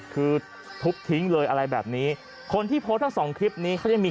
คือทุบทิ้งเลยอะไรแบบนี้คนที่โพสต์ทั้งสองคลิปนี้เขายังมี